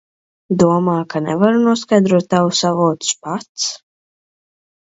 Domā, ka nevaru noskaidrot tavus avotus pats?